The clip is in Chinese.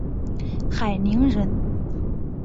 海宁人。